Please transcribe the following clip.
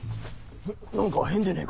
何か変でねえが？